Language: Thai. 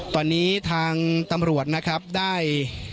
ตอนนี้ทางตำรวจนะครับได้